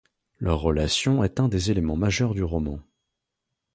Leur relation est un des éléments majeurs du roman.